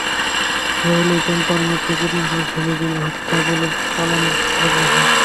রুহুলই চম্পার মুখে কীটনাশক ঢেলে দিয়ে হত্যা বলে চালানোর চেষ্টা করেছেন।